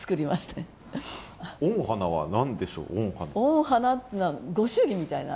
御花っていうのはご祝儀みたいな。